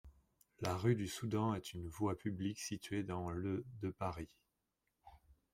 La rue du Soudan est une voie publique située dans le de Paris.